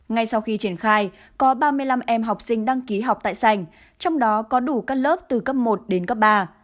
ngay sau khi triển khai có ba mươi năm em học sinh đăng ký học tại sành trong đó có đủ các lớp từ cấp một đến cấp ba